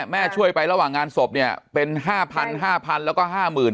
แม่ช่วยไประหว่างงานศพเนี่ยเป็นห้าพันห้าพันแล้วก็ห้าหมื่น